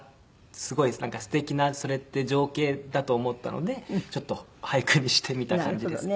すごいすてきなそれって情景だと思ったのでちょっと俳句にしてみた感じです。